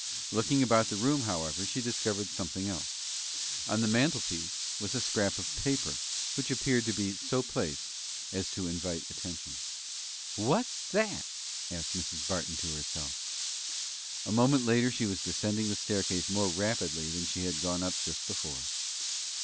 Looking about the room, however, she discovered something else. On the mantelpiece was a scrap of paper, which appeared to be so placed as to invite attention. "What's that?" said Mrs. Barton to herself. A moment later she was descending the staircase more rapidly than she had gone up just before.